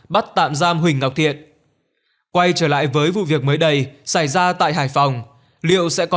bắt tạm giam huỳnh ngọc thiện quay trở lại với vụ việc mới đây xảy ra tại hải phòng liệu sẽ có